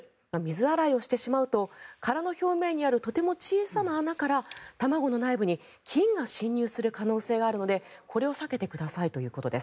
水洗いをしてしまうと殻の表面にあるとても小さい穴から卵の内部に菌が侵入する可能性があるのでこれを避けてくださいということです。